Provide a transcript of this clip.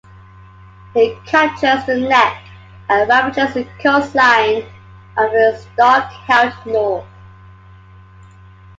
He captures the Neck and ravages the coastline of the Stark-held North.